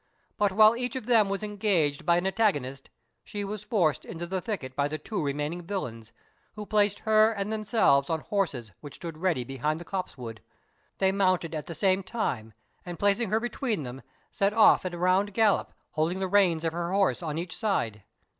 But while each of them was engaged by an antagonist, she was forced into the thicket by the two remaining villains, who placed her and themselves on horses which stood ready behind the copse wood. They mounted at the same time, and, placing her between them, set of at a round gallop, holding the reins of her horse on each side.